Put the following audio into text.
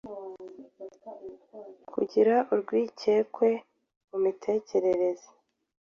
Kugira urwikekwe mu mitekerereze